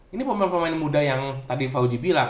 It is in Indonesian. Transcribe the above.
ini pemain pemain muda yang tadi fauji bilang